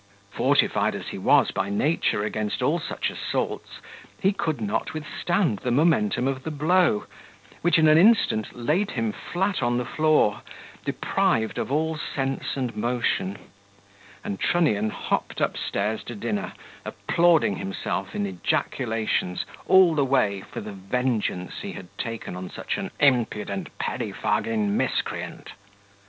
Fortified as he was by nature against all such assaults, he could not withstand the momentum of the blow, which in an instant laid him flat on the floor, deprived of all sense and motion; and Trunnion hopped upstairs to dinner, applauding himself in ejaculations all the way for the vengeance he had taken on such an impudent pettifogging miscreant.